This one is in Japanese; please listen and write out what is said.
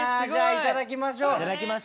いただきましょう。